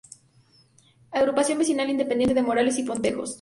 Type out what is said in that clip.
Agrupación Vecinal Independiente de Morales y Pontejos.